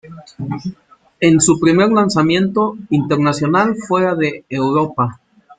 Es su primer lanzamiento internacional fuera de Europa.